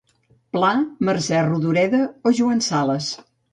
Pla, Mercè Rodoreda o Joan Sales.